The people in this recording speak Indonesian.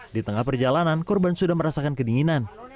di tengah perjalanan korban sudah merasakan kedinginan